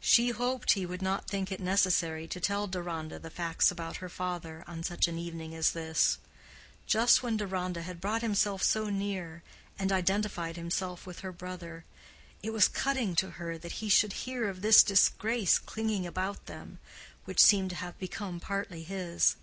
She hoped he would not think it necessary to tell Deronda the facts about her father on such an evening as this. Just when Deronda had brought himself so near, and identified himself with her brother, it was cutting to her that he should hear of this disgrace clinging about them, which seemed to have become partly his.